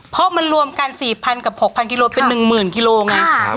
เพราะมันรวมกัน๔๐๐กับ๖๐๐กิโลเป็น๑๐๐กิโลไง